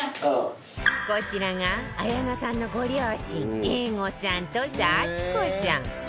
こちらが綾菜さんのご両親栄護さんと幸子さん